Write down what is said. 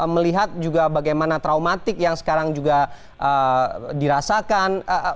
melihat juga bagaimana traumatik yang sekarang juga dirasakan